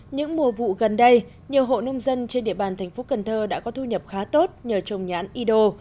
những mùa vụ gần đây nhiều hộ nông dân trên địa bàn thành phố cần thơ đã có thu nhập khá tốt nhờ trồng nhãn ydo